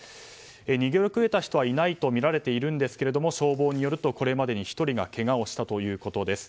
逃げ遅れた人はいないとみられているんですが消防によると、これまでに１人がけがをしたということです。